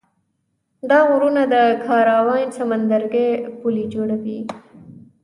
دا غرونه د کارابین سمندرګي پولې جوړوي.